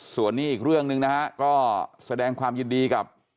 ส่วนนี้อีกเรื่องหนึ่งนะฮะก็แสดงความยินดีกับ